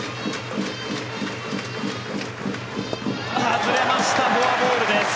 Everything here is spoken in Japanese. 外れました、フォアボールです。